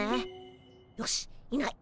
よしいない。